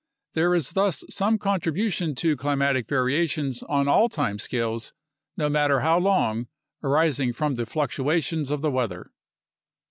There is thus some contribution to climatic variations on all time scales, no matter how long, arising from the fluctuations of the weather.